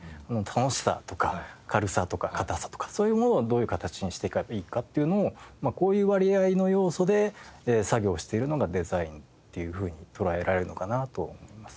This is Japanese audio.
楽しさとか軽さとか堅さとかそういうものをどういう形にしていけばいいかっていうのをこういう割合の要素で作業しているのがデザインっていうふうに捉えられるのかなと思います。